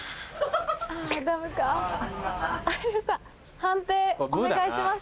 判定お願いします。